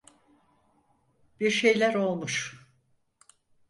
Bir şeyler olmuş.